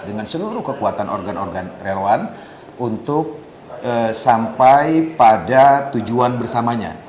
dengan seluruh kekuatan organ organ relawan untuk sampai pada tujuan bersamanya